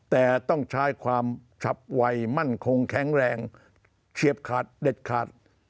แต่ต้องใช้ความฉับไวมั่นคงแข็งแรงเฉียบขาดเด็ดขาด